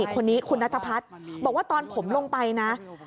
คนนี้คุณนัทพัฒน์บอกว่าตอนผมลงไปนะ